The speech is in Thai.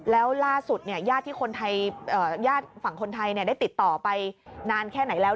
แล้วล่าสุดญาติที่ญาติฝั่งคนไทยได้ติดต่อไปนานแค่ไหนแล้ว